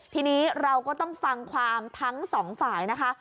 ทีนี้เราก็ต้องฟังความทั้งสองฝ่ายนะคะ